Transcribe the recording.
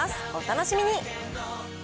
お楽しみに。